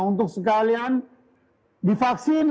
untuk sekalian divaksin